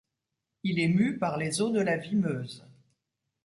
Il est mu par les eaux de la Vimeuse.